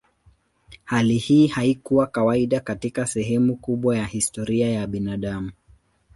Hali hii haikuwa kawaida katika sehemu kubwa ya historia ya binadamu.